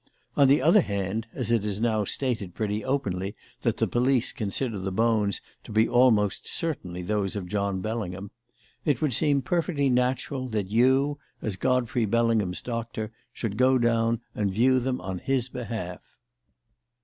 On the other hand, as it is now stated pretty openly that the police consider the bones to be almost certainly those of John Bellingham, it would seem perfectly natural that you, as Godfrey Bellingham's doctor, should go down to view them on his behalf."